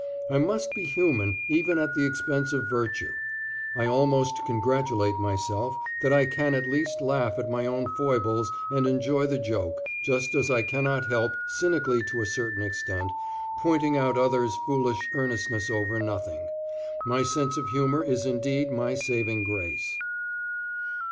I must be human even at the expense of virtue. I almost congratulate myself that I can at least laugh at my own foibles and enjoy the joke, just as I cannot help, cynically to a certain extent, pointing out others' foolish earnestness over nothing. My sense of humor is indeed my saving grace.